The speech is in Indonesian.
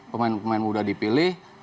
pemain pemain muda dipilih